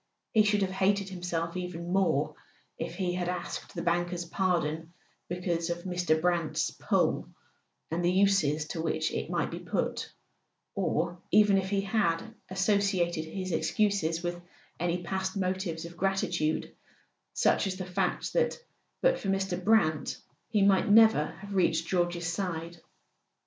He should have hated himself even more if he had asked the banker's pardon be¬ cause of Mr. Brant's "pull," and the uses to which it might be put; or even if he had associated his excuses with any past motives of gratitude, such as the fact that but for Mr. Brant he might never have reached George's side.